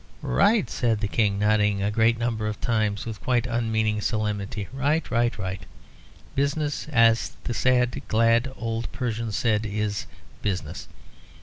"Right," said the King, nodding a great number of times with quite unmeaning solemnity; "right, right, right. Business, as the sad glad old Persian said, is business.